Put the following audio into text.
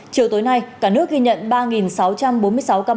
chiều tối nay cả nước ghi nhận ba sáu trăm bốn mươi sáu ca mắc mới covid một mươi chín